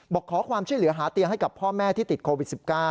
ขอความช่วยเหลือหาเตียงให้กับพ่อแม่ที่ติดโควิด๑๙